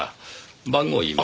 番号言います。